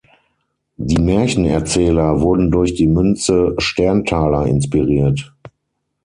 Die Märchenerzähler wurden durch die Münze "Sterntaler" inspiriert.